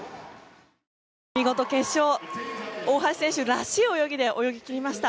見事、決勝大橋選手らしい泳ぎで泳ぎ切りました。